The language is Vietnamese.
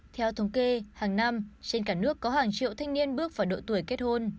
theo thống kê hàng năm trên cả nước có hàng triệu thanh niên bước vào độ tuổi kết hôn